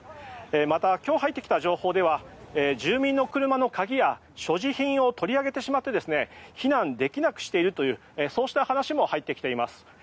また、今日入ってきた情報では住民の車の鍵や所持品を取り上げてしまって避難できなくしてしまっているというそうした話も入ってきています。